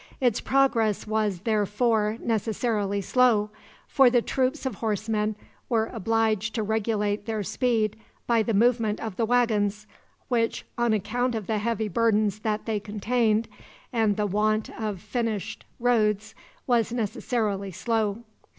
Its progress was, therefore, necessarily slow, for the troops of horsemen were obliged to regulate their speed by the movement of the wagons, which, on account of the heavy burdens that they contained, and the want of finished roads, was necessarily slow.